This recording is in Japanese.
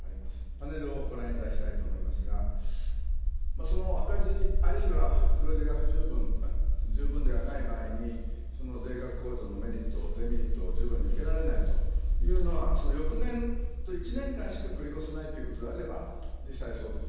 パネルをご覧いただきたいと思いますが、その赤字、あるいは黒字が不十分、十分ではない場合に、その税額控除のメリット、税メリットを十分に受けられないというのは、翌年、１年間しか繰り越せないということであれば、実際そうです。